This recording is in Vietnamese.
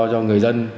cho người dân